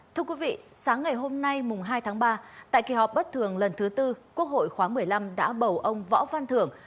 thưa quý vị sáng ngày hôm nay hai tháng ba tại kỳ họp bất thường lần thứ tư quốc hội khóa một mươi năm đã bầu ông võ văn thưởng